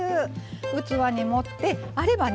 器に盛ってあればね